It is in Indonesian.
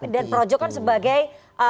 dan projo kan sebagai